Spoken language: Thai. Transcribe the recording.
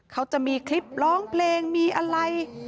เขาจะมีคลิปร้องเพลงมีอะไร